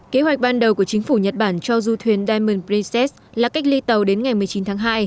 kế hoạch ban đầu của chính phủ nhật bản cho du thuyền diamond princess là cách ly tàu đến ngày một mươi chín tháng hai